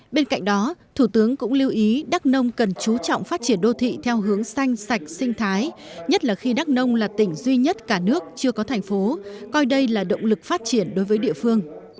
bên cạnh đó thủ tướng cũng lưu ý đắk nông cần chú trọng phát triển đô thị theo hướng xanh sạch sinh thái nhất là khi đắk nông là tỉnh duy nhất cả nước chưa có thành phố coi đây là động lực phát triển đối với địa phương